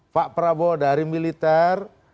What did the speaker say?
pak prabowo dari militer